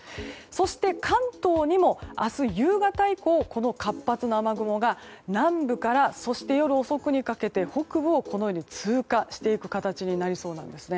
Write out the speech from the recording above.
そして関東にも明日夕方以降活発な雨雲が南部からそして夜遅くにかけて北部をこのように通過していく形になりそうです。